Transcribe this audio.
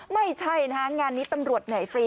ไม่ใช่นะคะงานนี้ตำรวจไหนฟรี